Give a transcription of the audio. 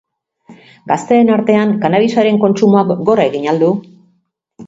Gazteen artean, kannabisaren kontsumoak gora egin al du?